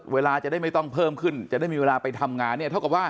เวลาจะได้ไม่ต้องเพิ่มขึ้นจะได้มีเวลาไปทำงานเนี่ย